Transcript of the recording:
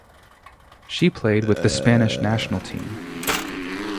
She played with the Spanish national team.